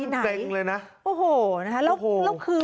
นี่นั่งเต็กเลยนะโอ้โหนะแล้วคือ